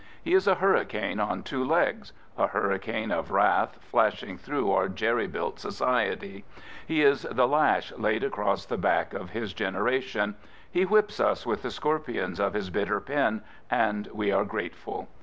He < is a hurricane on two legs — a hurricane of wrath flashing through our je|^ built society. He is the lash laid across the bade of his generation. He whips us with the scorpions of his bitter pen, and we are grateful.